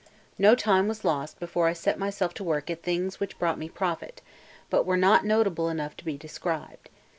No time was lost before I set myself to work at things which brought me profit, but were not notable enough to be described.